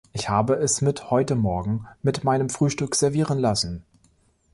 Ich habe es mit heute Morgen mit meinem Frühstück servieren lassen.